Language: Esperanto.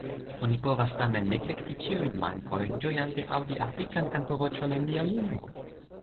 Oni povas tamen neglekti ĉiujn mankojn, ĝojante aŭdi afrikan kanto-voĉon en nia lingvo.